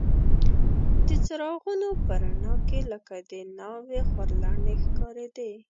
د څراغونو په رڼا کې لکه د ناوې خورلڼې ښکارېدې.